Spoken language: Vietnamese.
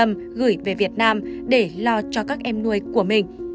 còn những việc khác gia đình xin giải quyết sau khi lo xong mọi việc